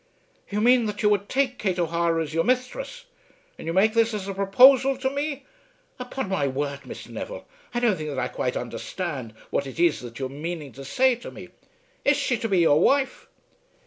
"You mean that you would take Kate O'Hara as your misthress! And you make this as a proposal to me! Upon my word, Mr. Neville, I don't think that I quite understand what it is that you're maning to say to me. Is she to be your wife?"